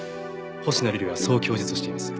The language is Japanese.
星名瑠璃はそう供述しています。